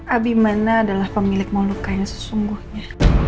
abimana adalah pemilik monuka yang sesungguhnya